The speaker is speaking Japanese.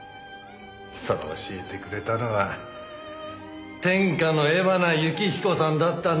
そう教えてくれたのは天下の江花幸彦さんだったんだよ。